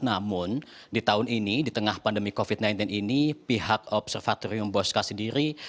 namun di tahun ini di tengah pandemi covid sembilan belas ini pihak observatorium bosca sendiri